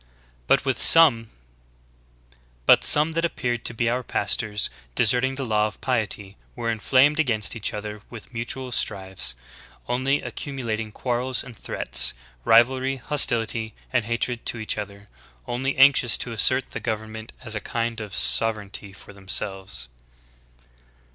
=•<^^^ some that appeared to be our pastors, deserting the law of piety, were inflamed against each other with mutual strifes, only accumulating quarrels and threats, rivalry, hostility, and hatred to each other, only anxious to assert the govern ment as a kind of sovereignity for themselves."